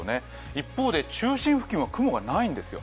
一方で中心付近は雲がないんですよ。